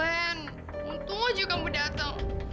glen untung aja kamu dateng